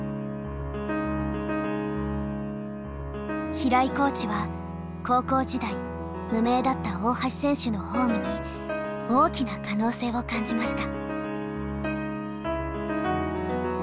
平井コーチは高校時代無名だった大橋選手のフォームに大きな可能性を感じました。